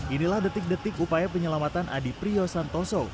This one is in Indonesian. inilah detik detik upaya penyelamatan adi priyo santoso